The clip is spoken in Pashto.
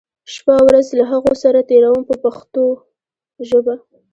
شپه او ورځ له هغو سره تېروم په پښتو ژبه.